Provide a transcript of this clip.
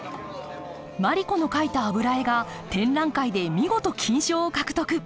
マリ子の描いた油絵が展覧会で見事金賞を獲得。